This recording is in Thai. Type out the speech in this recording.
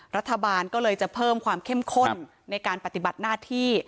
รัฐบาลก็เลยจะเพิ่มความเข้มข้นในการปฏิบัติหน้าที่